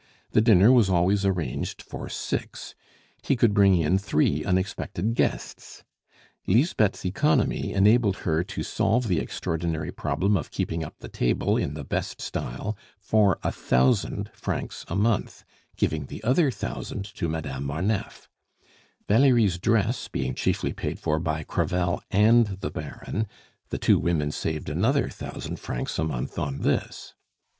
The dinner was always arranged for six; he could bring in three unexpected guests. Lisbeth's economy enabled her to solve the extraordinary problem of keeping up the table in the best style for a thousand francs a month, giving the other thousand to Madame Marneffe. Valerie's dress being chiefly paid for by Crevel and the Baron, the two women saved another thousand francs a month on this.